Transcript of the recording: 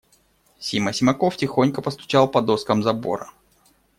Сима Симаков тихонько постучал по доскам забора.